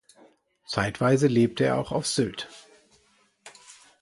Zeitweise lebte er auch auf Sylt.